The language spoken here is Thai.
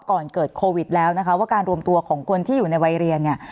ก่อนเกิดโควิดแล้วนะคะว่าการรวมตัวของคนที่อยู่ในวัยเรียนเนี่ย